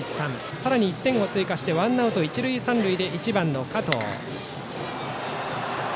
さらに１点を追加しワンアウト一塁三塁で１番、加藤。